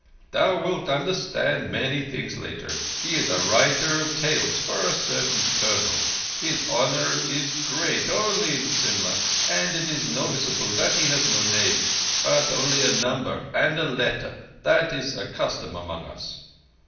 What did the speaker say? "Thou wilt understand many things later. He is a writer of tales for a certain Colonel. His honour is great only in Simla, and it is noticeable that he has no name, but only a number and a letter—that is a custom among us."